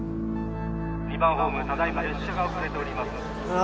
２番ホームただいま列車が遅れております